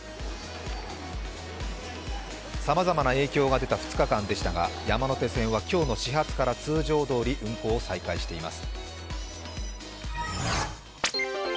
さまざまな影響が出た２日間でしたが山手線は今日の始発から通常どおり運行を再開しています。